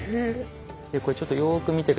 これちょっとよく見て下さい。